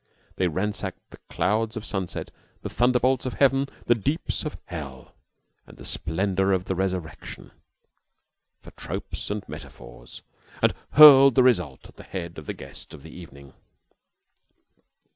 They ransacked the clouds of sunset, the thunderbolts of heaven, the deeps of hell, and the splendor of the resurrection for tropes and metaphors, and hurled the result at the head of the guest of the evening.